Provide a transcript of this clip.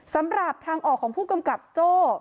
สำหรับทางออกของผู้กำกับโจ้